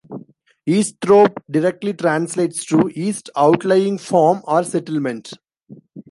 Easthorpe directly translates to, East outlying farm or settlement.